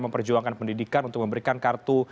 memperjuangkan pendidikan untuk memberikan kartu